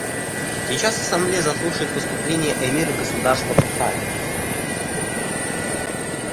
Сейчас Ассамблея заслушает выступление эмира Государства Катар.